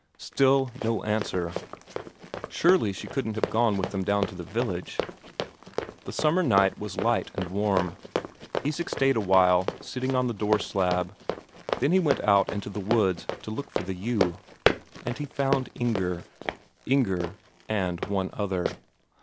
Still no answer. Surely she couldn't have gone with them down to the village? The summer night was light and warm. Isak stayed a while sitting on the door slab, then he went out into the woods to look for the ewe. And he found Inger. Inger and one other.